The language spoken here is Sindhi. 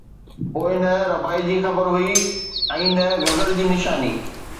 پوءِ نه رباعي جي خبر هئي ۽ نه غزل جي نشاني